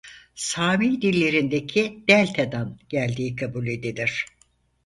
Sami dillerindeki "delta"dan geldiği kabul edilir.